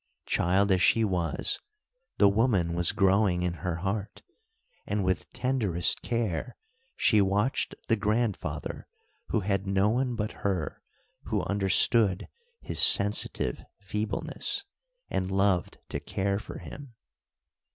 Child as she was, the woman was growing in her heart, and with tenderest care she watched the grandfather who had no one but her who understood his sensitive feebleness, and loved to care for him.